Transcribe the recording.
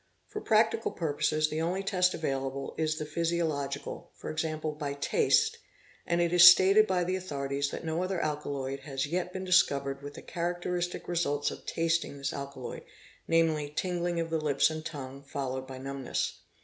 For practical purposes the only test available is the physiological, 7.e., by taste, and it is stated by — the authorities that no other alkaloid has yet been discovered with the characteristic results of tasting this alkaloid namely, tingling of the lips and tongue followed by numbness.